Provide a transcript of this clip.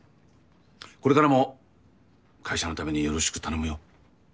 これからも会社のためによろしく頼むよ。